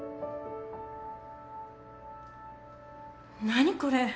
何これ？